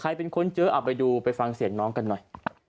ใครเป็นคนเจอเอาไปดูไปฟังเสียงน้องกันหน่อย